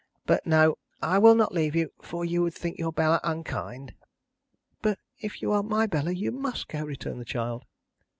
But no, I will not leave you; for you would think your Bella unkind." "But if you are my Bella, you must go," returned the child.